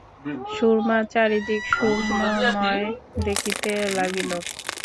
সুরমা চারিদিক শূন্যময় দেখিতে লাগিল।